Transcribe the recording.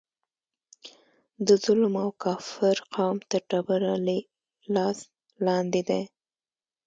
د ظلم او کافر قوم تر ډبره یې لاس لاندې دی.